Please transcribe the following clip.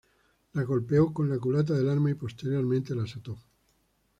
Las golpeó con la culata del arma y posteriormente las ató.